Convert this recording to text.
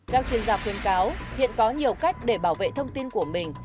các chuyên gia khuyên cáo hiện có nhiều cách để bảo vệ thông tin của mình